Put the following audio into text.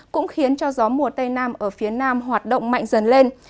cũng khiến cho gió mùa tây nam ở phía nam hoạt động mạnh dần lên